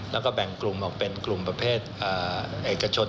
แล้วก็แบ่งกลุ่มออกเป็นกลุ่มประเภทเอกชน